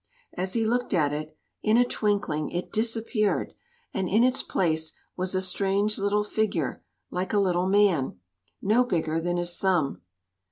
As he looked at it, in a twinkling it disappeared, and in its place was a strange little figure like a little man, no bigger than his thumb.